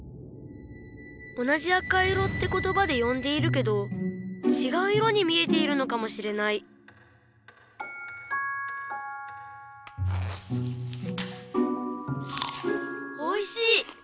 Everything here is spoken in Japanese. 同じ「赤色」ってことばでよんでいるけどちがう色に見えているのかもしれないおいしい！